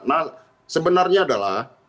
nah sebenarnya adalah